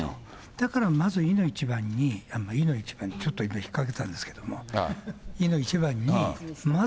だからまずいの一番に、いの一番に、ちょっと引っ掛けたんですけど、いの一番にまず。